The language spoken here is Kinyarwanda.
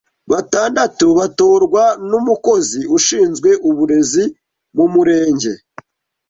batandatu batorwa n’umukozi ushinzwe uburezi mumumurenge